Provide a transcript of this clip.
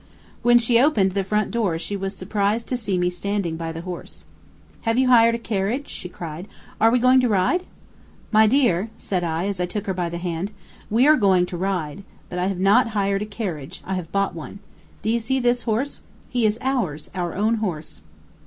When she opened the front door she was surprised to see me standing by the horse. "Have you hired a carriage?" she cried. "Are we going to ride?" "My dear," said I, as I took her by the hand, "we are going to ride. But I have not hired a carriage. I have bought one. Do you see this horse? He is ours our own horse."